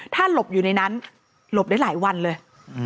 ถ้าหลบอยู่ในนั้นหลบได้หลายวันเลย